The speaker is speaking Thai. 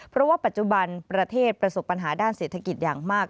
เพราะว่าปัจจุบันประเทศประสบปัญหาด้านเศรษฐกิจอย่างมาก